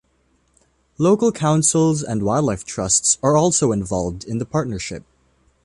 Local councils and Wildlife Trusts are also involved in the partnership.